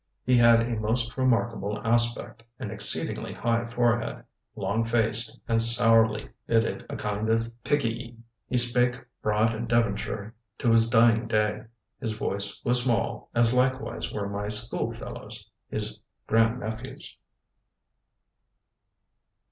He had a most remarkable aspect, an exceedingly high forehead, long faced, and sourlie bidded, a kind of pigge eie.... He spake broad Devonshire to his dye ing day. His voice was small, as likewise were my schoolfellowes, his gr. nephews."